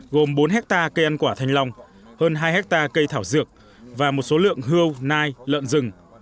gồm bốn hectare cây ăn quả thanh long hơn hai hectare cây thảo dược và một số lượng hư nai lợn rừng